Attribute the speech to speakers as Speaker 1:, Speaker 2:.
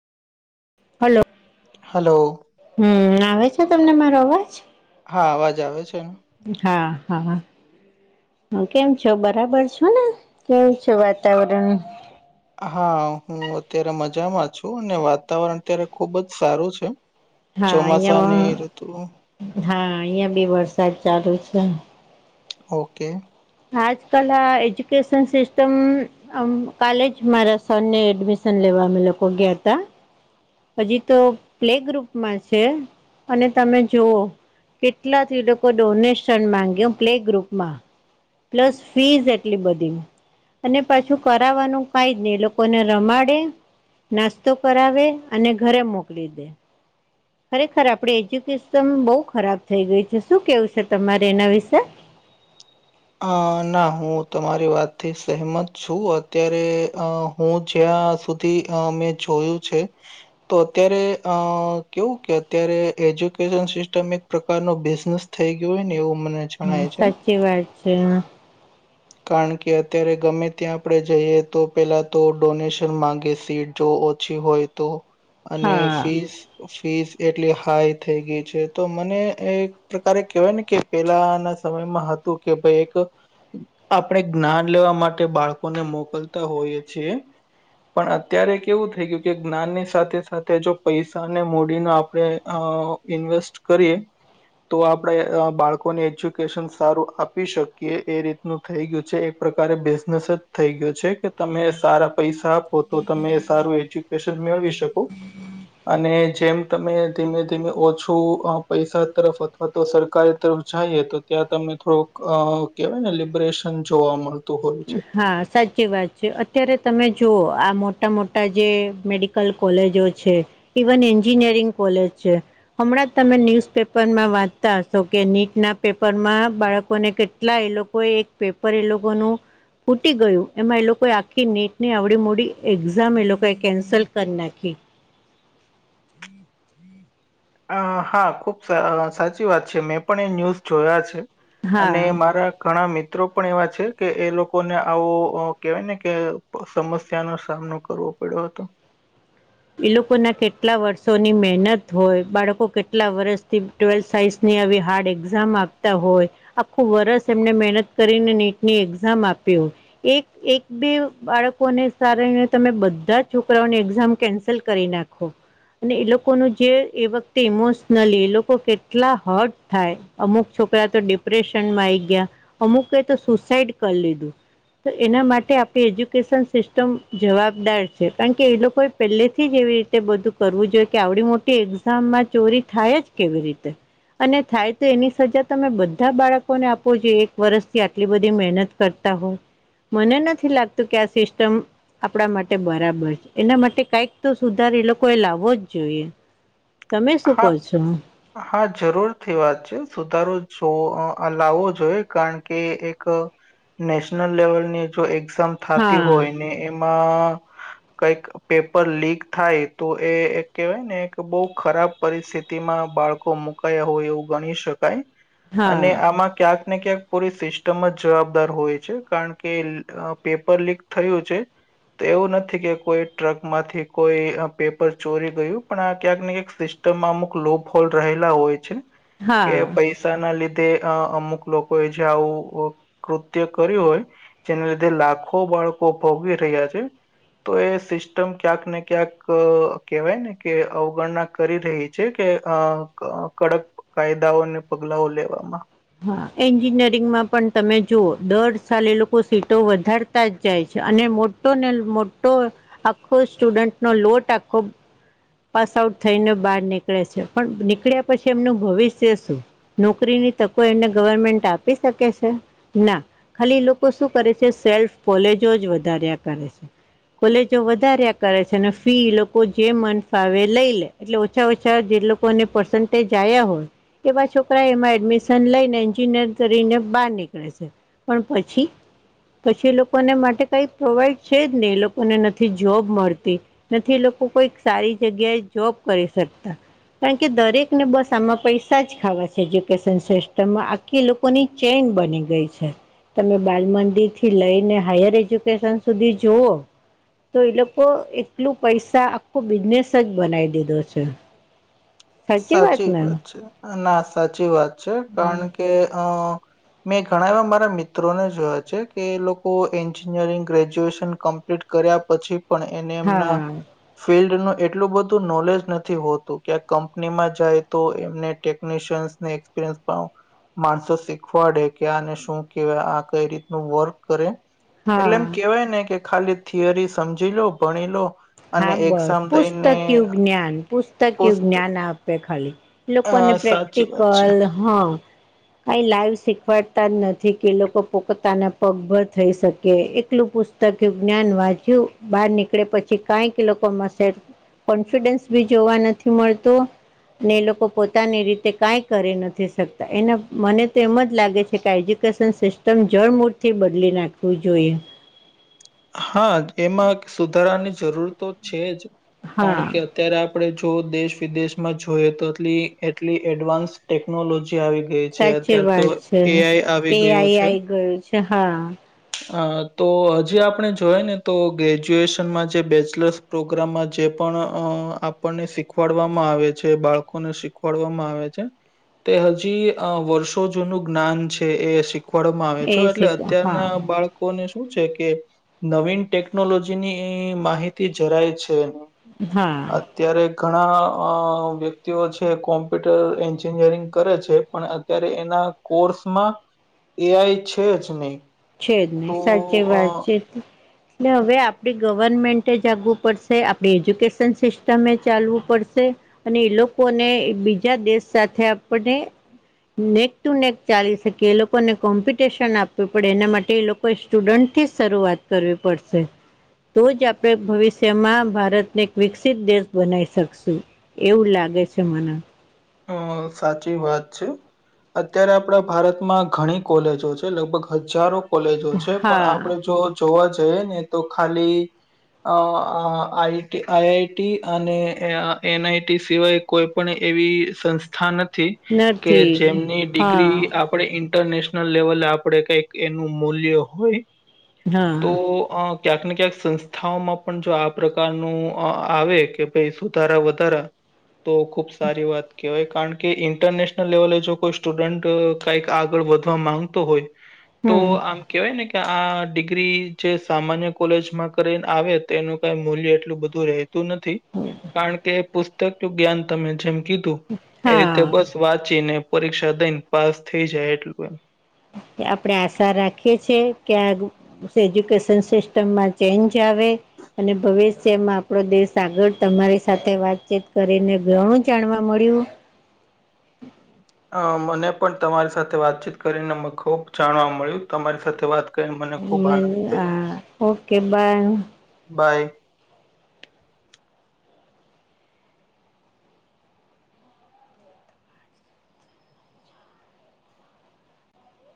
Speaker 1: Hello.
Speaker 2: Hello.
Speaker 1: હમમ આવે છે તમને મારો અવાજ
Speaker 2: હા અવાજ આવે છે.
Speaker 1: હા હા હું કેમ છો બરાબર છું ને કેવું છો વાતાવરણ
Speaker 2: હા, હું અત્યારે મજામાં છું અને વાતાવરણ અત્યારે ખુબ જ સારું છે.
Speaker 1: હા
Speaker 2: ચોમાસા ને
Speaker 1: અહિયાં
Speaker 2: ઋતુ
Speaker 1: હા, અહિયાં બી વરસાદ ચાલુ છે
Speaker 2: ઓકે
Speaker 1: આજ કલ એજુકેશન સિસ્ટમ આમ કાલેજ મારા સર ને એડમિશન લેવા અમે લોકો ગયા તા હજી તો પ્લે ગ્રુપમાં છે, અને તમે જોઓ કેટલાથી લોકો ડોનેશન માંગ્યો પ્લે ગ્રુપ માં પ્લસ ફીઝ એટલી બધી અને પાછું કરાવવાનું કઈ જ નહી એ લોકોને રમાડે નાસ્તો કરાવે અને ઘરે મોકલી દે ખરેખર આપડી એજ્યુકેશન બહુ ખરાબ થઈ ગઇ છે શું કેવું છે તમારે એના વિશે
Speaker 2: અ ના હું તમારી વાતથી સહમત છું અત્યારે અ હું જ્યાં સુધી મેં જોયું છે તો અત્યારે અ કેવું કે અત્યારે એજ્યુકેશન સિસ્ટમ એક પ્રકાર નો બિઝનેસ થઈ ગયો હોય ને એવું મને
Speaker 1: હ
Speaker 2: જણાય છે.
Speaker 1: સાચી વાત છે હ
Speaker 2: કારણ કે અત્યારે ગમે ત્યાં આપણે જઈએ તો પેલા તો ડોનેશન માંગે સીટ જો ઓછી હોય તો અને
Speaker 1: હા
Speaker 2: ફીસ ફીસ એટલી હાઈ થઈ ગઈ છે, તો મને એક પ્રકારે કહેવાય ને કે પેલાના સમયમાં હતું, કે ભાઈ એક આપણે જ્ઞાન લેવા માટે બાળકો ને મોકલતા હોઈએ છીએ પણ અત્યારે કેવું થઈ ગયું કે જ્ઞાનની સાથે સાથે જો પૈસાને મૂડીનો આપણે અ ઇન્વેસ્ટ કરીએ, તો આપણેે બાળકોને એજ્યુકેશન સારું આપ આપી શકીએ એ રીતનું થઈ ગયું છે, એક પ્રકારે બિઝનેસ જ થઈ ગયું છે તમે સારા પૈસા આપો તો તમે સારું એજ્યુકેશન મેળવી શકો અને જેમ તમે ધીમે ધીમે ઓછું પૈસા તરફ તો સરકારી તરફ જઈએ તો ત્યાં તમને થોડુંક અ કહેવાય ને લિબરેશન જોવા મળત
Speaker 1: હા સચ કે વાત છે, અત્યારે તમે જુઓ આ મોટા મોટા જે મેડિકલ કોલેજો છે ઇવન એન્જિનિયરિંગ કોલેજ છે હમણાં તમે ન્યુઝ પેપર માં વાંચતા હશો કે નીટ ના પેપરમાં બાળકોને કેટલા એ લોકો કોઈ એક પેપર એ લોકોનું ફુટી ગયું એમાં એ લોકોએ આખી નીટ ની આવડી મોડી એક્ઝામ એ લોકોએ કેન્સલ કરી નાખી
Speaker 2: અ હા ખુબ સાચી વાત છે મેં પણ એ ન્યૂઝ જોયા છે અને
Speaker 1: હા
Speaker 2: મારા ઘણા મિત્રો પણ એવા છે, કે એ લોકોને આવો કેહેવાય ને કે સમસ્યાનો સામનો કરવો પડ્યો હતો,
Speaker 1: એ લોકો ના કેટલા વર્ષોની મહેનત હોય બાળકો કેટલા વર્ષથી ટ્વેલ્થ સાયન્સ ની આવી હાર્ડ એક્ઝામ આપતા હોય આખું વરસ એમને મહેનત કરીને નીટની એક્ઝામ આપ્યો એક એક બે બાળકોને કારણે ને તમે બધા છોકરાઓની એક્ઝામ કેન્સલ કરી નાખો અને એ લોકોનું જે એ વખતે ઈમોશનલી એ લોકો કેટલા હટ થાય અમુક છોકરા તો ડિપ્રેશનમાં આઈ ગયા અમુકે તો સુસાઈડ કરી લીધું, તો એના માટે આપણી એજ્યુકેશન સિસ્ટમ જવાબદાર છે, કારણ કે એ લોકો પહેલે થી એવી રીતે બધું કરવું જોઈએ કે આવડી મોટી એક્ઝામમાં ચોરી થાય જ કેવી રીતે અને થાય તે એની સજા તમે બધા બાળકોને આપો છો જે એક વર્ષથી આટલી બધી મહેનત કરતા હોય મને નથી લાગતું કે આ સિસ્ટમ આપણા માટે બરાબર છે. એના માટે કઈક તો સુધાર એ લોકો એ લાવવો જ જોઈએ, તમે શું કહો
Speaker 2: હા
Speaker 1: છો.
Speaker 2: હા, જરૂરથી વાત છે, સુધારો જોવો લાવવો જોઈએ કારણ કે એક નેશનલ લેવલ ની જો એક્ઝામ થાતી
Speaker 1: હા
Speaker 2: હોય, ને એમાં કઈક પેપર લીક થાય, તો એ એક કેહેવાય ને એક બહુ ખરાબ પરિસ્થિતિમાં બાળકો મુકાયા હોય, એવું ગણી શકે
Speaker 1: હા
Speaker 2: અને આમાં ક્યાંક કયાંક ને ક્યાંક પૂરી સિસ્ટમ જ જવાબદાર હોય છે, કારણ કે પેપર લીક થયું છે. તેએવું નથી કે કોઈ ટ્રક માંથી કોઈ, પેપર ચોરી ગયું પણ આ ક્યાંક ને ક્યાંક સિસ્ટમમાં અમુક લો ફોલ્ટ રહેલા હોય છે, કે
Speaker 1: હા
Speaker 2: પૈસા પૈસા ના લીધે અમુક લોકો, એ જે આવું કૃત્ય કર્યું હોય. જેના, લીધે લાખો બાળકો ભોગી રહ્યા છે. તો એ સિસ્ટમ ક્યાંક ને ક્યાંક કહેવાય ને કે અવગણના કરી રહી છે, કે અ કડક કાયદાઓ અને પગલાઓ લેવામાં
Speaker 1: હા એન્જિનિયરિંગમાં પણ તમે જુઓ દર સાલે એ લોકો સીટો વધાર જ જાય છે. અને મોટો ને મોટો આખો સ્ટુડન્ટ નો લોટ આખો પાસ આઉટ થઈને બહાર નીકળે છે. પણ નીકળ્યા પછી એમનું ભવિષ્ય શું નોકરીની તકો એમને ગવર્મેન્ટ આપી શકે છે, ના ખાલી લોકો શું કરે છે. સેલ્ફ કોલેજો જ વધારે્યા કરે છે. કોલેજો વધાર્યા કરે છે, અને ફી લોકો જે મન ભાવે લઈ લે એટલે ઓછા-ઓછા જે લોકોને પર્સન્ટેજ આવ્યા હોય. એવા છોકરા એમાં એડમિશન લઈને એન્જિનિયર કરીને બહાર નીકળે છે. પણ પછી પછી એ લોકોને માટે કઈ પ્રોવાઈડ છેજ નહી. એ લોકોને નથી જોબ મળતી નથી લોકો કોઈક સારી જગ્યાએ જોબ કરી શકતા કારણ કે દરેક ને બસ આમાં પૈસા જ ખાવા છે. એજ્યુકેશન સિસ્ટમમાં કે લોકોની ચેન બની ગઈ છે. તમે બાલ મંદિર થી લઈને હાયર એજ્યુકેશન સુધી જુઓ તો એ લોકો એટલું પૈસા આખું બિઝનેસ સજ બનાવી દીધો છે.
Speaker 2: સાચી વાત છે. ના સાચી વાત છે, કારણ કે અ મેં ઘણા એવા મારા મિત્રોને જોયા છે. કે એ લોકો એન્જિનિયરિંગ ગ્રેજ્યુએશન્ ્લીટ કર્યા પછી પણ એને
Speaker 1: હા
Speaker 2: એમના ફિલ્ડ ન એટલું બધું નોલેજ નથી હોતુ કંપનીમાં જાય તો એમને ટેકનિશિયન્સને, એક્સપિરયસ માણસો શીખવાડે કે આને શું કેહેવાય આ કઈ રીતનું વર્ક કરે એટલે,
Speaker 1: હા
Speaker 2: એમ કેવાય ને કે ખાલી થિયરી સમજી લો ભણી લો અને
Speaker 1: હા, બસ
Speaker 2: એક્ઝામ દઈને
Speaker 1: પુસ્તક યજ્ઞાન પુસ્તક
Speaker 2: પોસ્ત
Speaker 1: જ્ાન આપે ખાલી
Speaker 2: અ
Speaker 1: લોકોને,
Speaker 2: સાચી વાત છે
Speaker 1: પ્રેક્ટિકલ હા કઈ લાઈવ શીખવાડતા જ નથી, કે એ લોકો પો પોતાના પગભર થઈ શકે એલું પ ય જ્ઞાન, વાચ્યું બહાર નીકળે પછી કઈક લોકોમાં શર કોન્ફિડન્સ, ભી જોવા નથી મળતુ ને એ લોકો પોતાની રીતે કઈ કરી નથી શકતા એના મને તો એમ જ લાગે છે. કે એજ્યુકેશન સિસ્ટમ જળમૂળથી, બદલી નાખવીું જોઈએ
Speaker 2: હા એમાં સુધારાની જરૂર તો છે. જ
Speaker 1: હા
Speaker 2: કારણ કે અત્યારે આપણે જો દેશ વિદેશમાં જોઈએ તો એટલી એટલી એડવાન્સ ટેકનોલોજી આવી ગઈ છે
Speaker 1: સાચી
Speaker 2: અત્યારે તો
Speaker 1: વાત છે.
Speaker 2: એઆઈ આવી
Speaker 1: એ આઈ આઈ ગયું છે. હા
Speaker 2: હ તો હજી આપણે જોઈ, ને તો ગ્રેજ્યુએશનમાં જે બેચલર્સ પ્રોગ્રામમાં જે પણ અ આપણને શીખવાડવામાં આવે છે, બાળકોને શીખવાડવામાં આવે છે. તે હજી વર્ષો જૂનું જ્ઞાન છે, એ શીખવાડવામાં આવે
Speaker 1: એ
Speaker 2: છે. એટલે અત્યારના
Speaker 1: હા
Speaker 2: બાળકો ને શું છે કે નવીન ટેકનોલોજી ની માહિતી જરાય છે.
Speaker 1: હા.
Speaker 2: ત્યારે આ ઘણા વ્યક્તિઓ છે કોમ્પ્યુટર એન્જિનિયરિંગ કરે છે પણ. ત્યારે એના કોર્સમાં એઆઈ છે જ નહી.
Speaker 1: છે જ
Speaker 2: તો
Speaker 1: નહી સાચી વાત
Speaker 2: અ
Speaker 1: છે એટલે હવે આપડી. ગવર્મેન્ટ જાગવું પડશે આપડી એજ્યુકેશન સિસ્ટમે ચાલવું પડશે. અને એ લોકોને બીજા દેશ સાથે આપને. નેક ટુ નેક ચાલી શકે એ લોકોને કોમ્પિટશન આપ્યું. આપે એના માટે એ લોકોએ સ્ટુડન્ટથી જ શરૂઆત કરવી પડશે. તો જ આપણે ભવિષ્યમાં ભારતને એક વિકસિત દેશ બનાવી શકશું. એવું લાગે છે મને.
Speaker 2: હ સાચી વાત છે. અત્યારે આપણા ભારતમાં ઘણી કોલેજો છે લગભગ હજારો કોલેજો છે પણ
Speaker 1: હા
Speaker 2: આપડે જો જોવા જઈએ ને તો ખાલી અ આ આઈઆઈટી અને એનઆઈટી સિવાય કોઈ પણ એવી સંસ્થા નથી કે
Speaker 1: નથી
Speaker 2: જેમની ડિગ્રી
Speaker 1: હા
Speaker 2: આપ આપણે ઇન્ટરનેશનલ લેવલે આપણેે કંઈક એનું મૂલ્ય હોય તો
Speaker 1: હા
Speaker 2: અ ક્યાંક ને ક્યાંક સંસ્થાઓમાં પણ જો આ પ્રકારનું આવે કે ભાઈ સુધારા વધારા તો ખૂબ સારી વાત કહેવાય કારણ કે ઈન્ટરનેશનલ લેવલે જો કોઈ સ્ટુડન્ટ કઈક આગળ વધવા માંગતો હોય. તો
Speaker 1: હમ
Speaker 2: આમ. કેવાય ને કે આ ડિગ્રી જે સામાન્ય કોલેજમાં કરીને આવે તો તેનું કઈ મૂલ્ય એટલું બધું રહે નથી કારણ કે પુસ્તક જ્ઞાન તમે જેમ કીધું. એ
Speaker 1: હા
Speaker 2: રીતે બસ વાંચીને પરીક્ષા દઈને પાસ થઈ જાય એટલું એમ
Speaker 1: આપડે આશા રાખીએ છીએ કે આ એજ્યુકેશન સિસ્ટમમાં ચેન્જ આવે. અને ભવિષ્યમાં આપણો દેશ આગળ તમારી સાથે વાતચીત કરીને ઘણું જાણવા મળ્યું.
Speaker 2: અ મને પણ તમારી સાથે વાતચીત કરીને ખુબ જાણવા મળ્યું તમારી સાથે વાત કરીને મને ખૂબ આનંદ થયો
Speaker 1: હ ઓકે બાય.
Speaker 2: બાય.